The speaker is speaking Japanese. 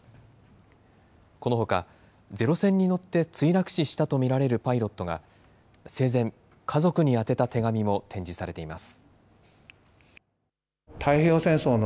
このほか、ゼロ戦に乗って墜落死したと見られるパイロットが生前、家族に宛てた手紙も展示されています。